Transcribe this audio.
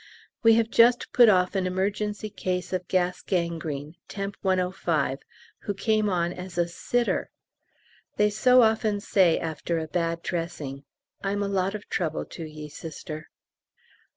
We have just put off an emergency case of gas gangrene, temp. 105, who came on as a sitter! They so often say after a bad dressing, "I'm a lot of trouble to ye, Sister."